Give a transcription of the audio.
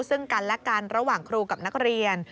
ซึ่งกันและกันระหว่างครูกับนักเรียน